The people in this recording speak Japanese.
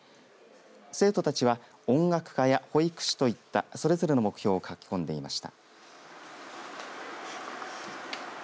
生徒たちは、音楽家や保育士といったそれぞれの目標を書き込んでいました。